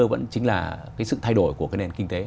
vẫn chính là sự thay đổi của nền kinh tế